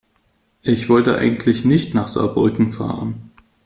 Ich wollte eigentlich nicht nach Saarbrücken fahren